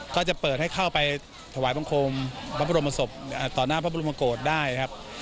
ก็จะเปิดให้เข้าไปถวายบังคมพระบรมกฎได้ครับ